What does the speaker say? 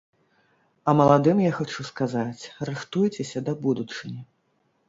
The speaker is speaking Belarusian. А маладым я хачу сказаць, рыхтуйцеся да будучыні.